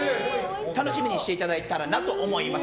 楽しみにしていただけたらなと思います。